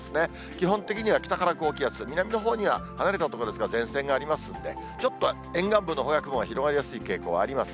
基本的には北から高気圧、南のほうには、離れた所ですが、前線がありますんで、ちょっと、沿岸部のほうが雲が広がりやすい傾向があります。